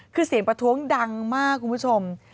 คือเสียงประท้วงดังมากคุณผู้ชม